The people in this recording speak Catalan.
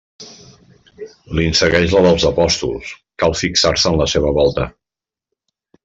Li'n segueix la dels Apòstols, cal fixar-se en la seva volta.